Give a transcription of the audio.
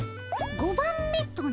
５番目とな？